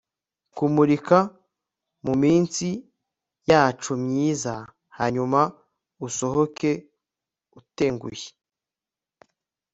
kumurika muminsi yacu myiza, hanyuma usohoke utengushye